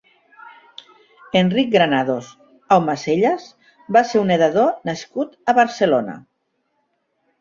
Enric Granados Aumacellas va ser un nedador nascut a Barcelona.